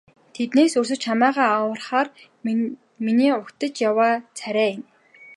Тэднээс өрсөж чамайгаа аврахаар миний угтаж яваа царай энэ.